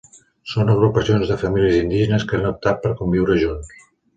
Són agrupacions de famílies indígenes que han optat per conviure junts.